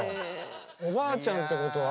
おばあちゃんってことは？